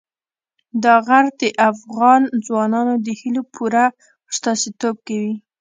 دا غر د افغان ځوانانو د هیلو پوره استازیتوب کوي.